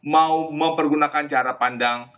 mau mempergunakan cara pandang